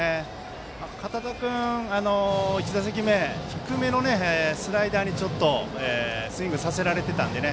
堅田君、第１打席低めのスライダーにスイングさせられていたのでね